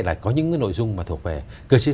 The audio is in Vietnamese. là có những cái nội dung mà thuộc về cơ chế